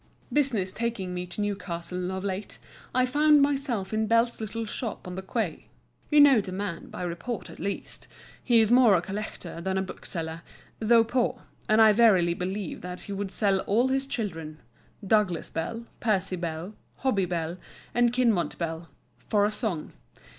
Business taking me to Newcastle of late, I found myself in Bell's little shop on the quay. You know the man by report at least; he is more a collector than a bookseller, though poor; and I verily believe that he would sell all his children—Douglas Bell, Percy Bell, Hobbie Bell, and Kinmont Bell—"for a song."